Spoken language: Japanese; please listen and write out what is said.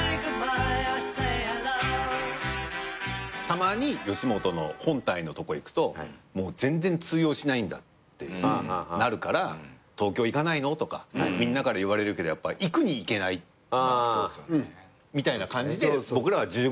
たまに吉本の本体のとこ行くと全然通用しないんだってなるから東京行かないの？とかみんなから言われるけど行くに行けないみたいな感じで僕らは１５年やったんです福岡で。